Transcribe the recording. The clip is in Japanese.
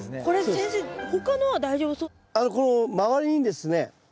この周りにですね